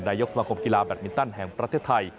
นายกสมาคมกีฬาแบตมินตันแห่งประเทศไทย